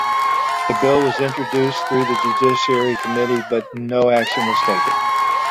The bill was introduced through the Judiciary Committee, but no action was taken.